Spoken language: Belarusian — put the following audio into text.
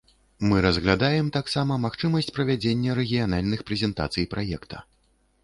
Мы разглядаем таксама магчымасць правядзення рэгіянальных прэзентацый праекта.